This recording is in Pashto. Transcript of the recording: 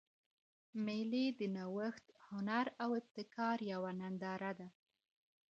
مېلې د نوښت، هنر او ابتکار یوه ننداره ده.